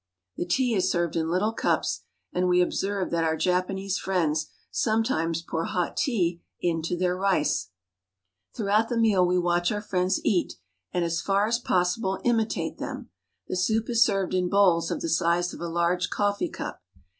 The tea is served in little cups, and we observe that our Japanese friends sometimes pour hot tea into their rice. Japanese Family at Dinner. Throughout the meal we watch our friends eat, and as \ far as possible imitate them. The soup is served in bowls of the size of a large coffee cup.